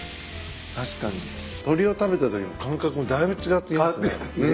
確かに鶏を食べたときの感覚もだいぶ違ってきますね。